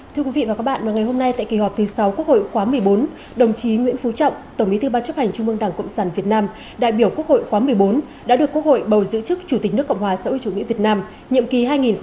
thưa quý vị và các bạn vào ngày hôm nay tại kỳ họp thứ sáu quốc hội khóa một mươi bốn đồng chí nguyễn phú trọng tổng bí thư ban chấp hành trung mương đảng cộng sản việt nam đại biểu quốc hội khóa một mươi bốn đã được quốc hội bầu giữ chức chủ tịch nước cộng hòa xã hội chủ nghĩa việt nam nhiệm kỳ hai nghìn một mươi sáu hai nghìn hai mươi sáu